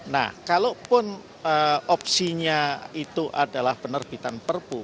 nah kalaupun opsinya itu adalah penerbitan perpu